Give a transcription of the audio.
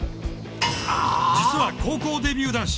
実は高校デビュー男子。